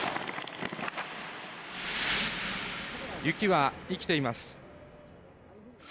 雪は生きています。